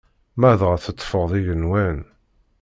Ma dɣa teṭṭfeḍ igenwan.